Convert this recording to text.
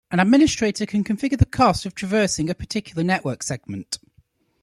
An administrator can configure the cost of traversing a particular network segment.